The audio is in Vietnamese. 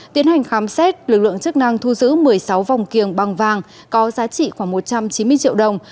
tiến hành khám xét lực lượng chức năng thu giữ một mươi sáu vòng kiềng bằng vàng có giá trị khoảng một trăm chín mươi triệu đồng